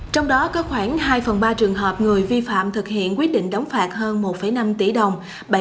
trong đó có khoảng hai phần ba trường hợp người vi phạm thực hiện quyết định đóng phạt hơn một năm tỷ đồng